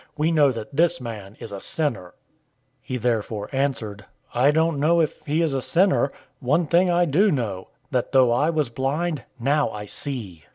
We know that this man is a sinner." 009:025 He therefore answered, "I don't know if he is a sinner. One thing I do know: that though I was blind, now I see."